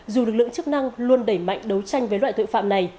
dù lực lượng chức năng luôn đẩy mạnh đấu tranh với loại tội phạm này